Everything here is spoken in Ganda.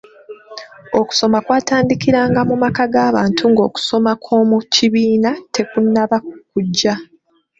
Okusoma kwatandikiranga mu maka g'abantu ng'okusoma okw'omu kibiina tekunnaba kujja.